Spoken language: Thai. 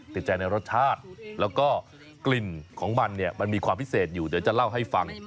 ติดใจในรสชาติแล้วก็กลิ่นของมันเนี่ยมันมีความพิเศษอยู่เดี๋ยวจะเล่าให้ฟัง